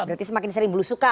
berarti semakin sering bulu suka